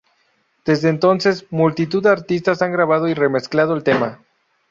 Desde entonces, multitud de artistas han grabado y remezclado el tema.